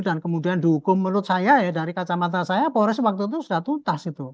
dan kemudian dihukum menurut saya ya dari kacamata saya polres waktu itu sudah tuntas itu